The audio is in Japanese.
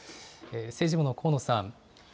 政治部の高野さん。